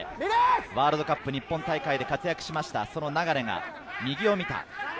ワールドカップ日本大会で活躍しました、その流が右を見た。